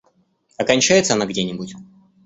А кончается она где-нибудь?